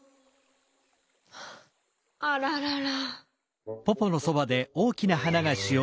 あららら。